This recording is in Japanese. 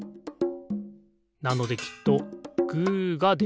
なのできっとグーがでる。